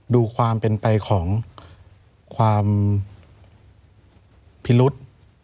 ดูความเป็นไปของความพิรุษ